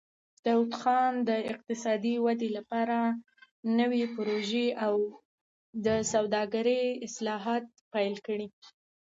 داوود خان د اقتصادي ودې لپاره نوې پروژې او د سوداګرۍ اصلاحات پیل کړل.